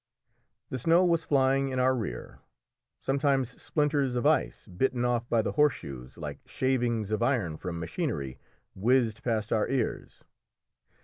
The snow was flying in our rear; sometimes splinters of ice, bitten off by the horse shoes, like shavings of iron from machinery, whizzed past our ears.